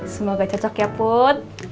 semoga cocok ya put